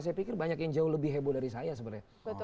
saya pikir banyak yang jauh lebih heboh dari saya sebenarnya